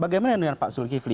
bagaimana dengan pak zulkifli